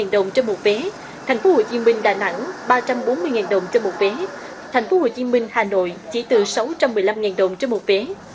ba trăm bốn mươi đồng cho một vé tp hcm đà nẵng ba trăm bốn mươi đồng cho một vé tp hcm hà nội chỉ từ sáu trăm một mươi năm đồng cho một vé